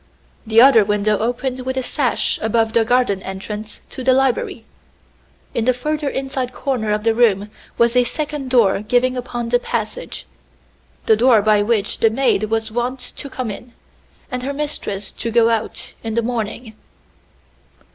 The other window opened with a sash above the garden entrance to the library. In the further inside corner of the room was a second door giving upon the passage; the door by which the maid was wont to come in, and her mistress to go out, in the morning.